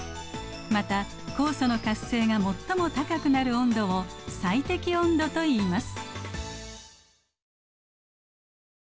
また酵素の活性が最も高くなる温度を最適温度といいます。